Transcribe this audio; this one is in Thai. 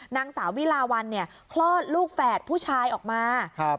นางสาววิลาวันเนี่ยคลอดลูกแฝดผู้ชายออกมาครับ